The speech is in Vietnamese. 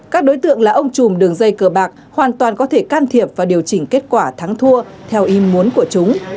các đối tượng là ông chùm đường dây cờ bạc hoàn toàn có thể can thiệp và điều chỉnh kết quả thắng thua theo im muốn của chúng